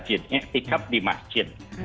itikaf di masjid